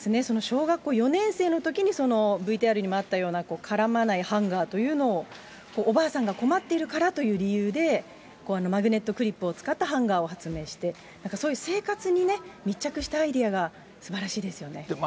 その小学校４年生のときに、ＶＴＲにもあったような、絡まないハンガーというのを、おばあさんが困っているからという理由で、マグネットクリップを使ったハンガーを発明して、そういう生活に密着したアイデアがすばらしいですよね。